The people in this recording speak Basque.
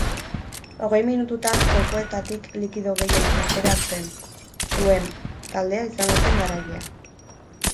Hogei minututan kokoetatik likido gehien ateratzen zuen taldea izango zen garailea.